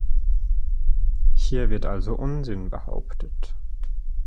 Hier wird also Unsinn behauptet.